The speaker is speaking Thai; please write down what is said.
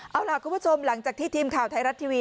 เอาล่ะคุณผู้ชมหลังจากที่ทีมข่าวไทยรัฐทีวี